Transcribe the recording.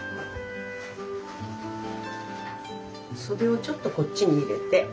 袖をちょっとこっちに入れて。